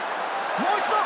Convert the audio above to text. もう一度！